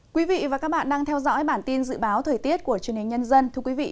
quý vị và các bạn đang theo dõi bản tin dự báo thời tiết của truyền hình nhân dân